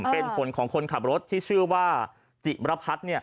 เป็นผลของคนขับรถที่ชื่อว่าจิมรพัฒน์